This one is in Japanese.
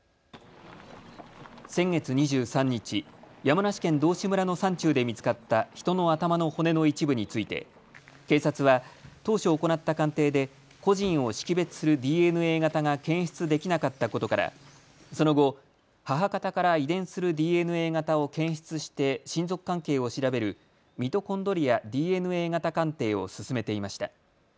先月２３日、山梨県道志村の山中で見つかった人の頭の骨の一部について、警察は当初行った鑑定で個人を識別するＤＮＡ型が検出できなかったことからその後、母方から遺伝するＤＮＡ型を検出して親族関係を調べるミトコンドリアＤＮＡ型鑑定を進めていました。